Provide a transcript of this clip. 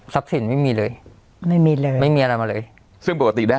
สินไม่มีเลยไม่มีเลยไม่มีอะไรมาเลยซึ่งปกติได้